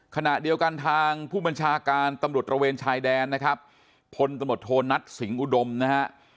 ขณะเดียวกันทางผู้บัญชาการตำรวจตระเวนชายแดนนะครับพลตำรวจโทนัทสิงห์อุดมนะฮะ